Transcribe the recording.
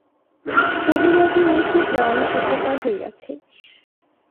কবিরাজী ঔষধে অনেক উপকার হইয়াছে।